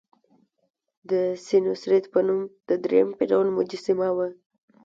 د سینوسریت په نوم د دریم فرعون مجسمه وه.